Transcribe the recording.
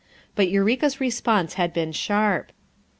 But Eureka's response had been sharp.